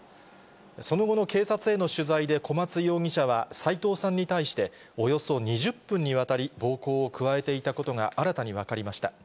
その後の警察への取材で小松容疑者は、斎藤さんに対して、およそ２０分にわたり暴行を加えていたことが新たに分かりました。